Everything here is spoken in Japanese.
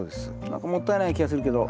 何かもったいない気がするけど。